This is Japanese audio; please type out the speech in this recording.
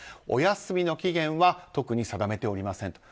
お休みの期限は特に定めておりません。